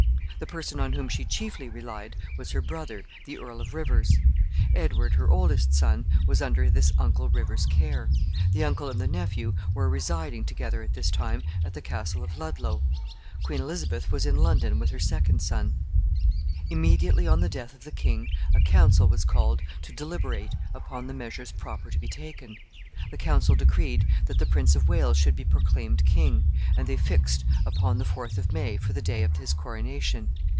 The person on whom she chiefly relied was her brother, the Earl of Rivers. Edward, her oldest son, was under this uncle Rivers's care. The uncle and the nephew were residing together at this time at the castle of Ludlow.[J] Queen Elizabeth was in London with her second son. [Footnote J: For a view of this castle, see page 26.] Immediately on the death of the king, a council was called to deliberate upon the measures proper to be taken. The council decreed that the Prince of Wales should be proclaimed king, and they fixed upon the 4th of May for the day of his coronation.